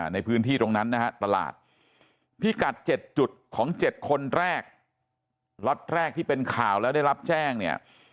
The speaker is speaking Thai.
ในพื้นที่ตรงนั้นนะฮะตลาดพิกัด๗จุดของ๗คนแรกล็อตแรกที่เป็นข่าวแล้วได้รับแจ้งเนี่ย